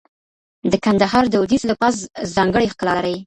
د کندهار دودیز لباس ځانګړی ښکلا لري.